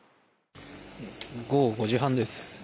午後５時半です。